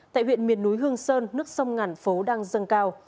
tại huyện miền núi hương sơn nước sông ngàn phố đang dâng cao